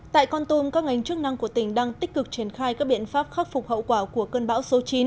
tại con tum các ngành chức năng của tỉnh đang tích cực triển khai các biện pháp khắc phục hậu quả của cơn bão số chín